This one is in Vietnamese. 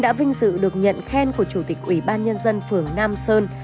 đã vinh dự được nhận khen của chủ tịch ủy ban nhân dân phường nam sơn